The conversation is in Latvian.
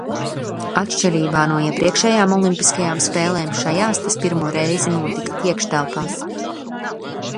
Atšķirībā no iepriekšējām olimpiskajām spēlēm šajās tas pirmo reizi notika iekštelpās.